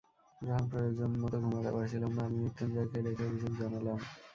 যখন প্রয়োজন মতো ঘুমোতে পারছিলাম না, আমি মৃত্যুঞ্জয়কে ডেকে অভিযোগ জানালাম।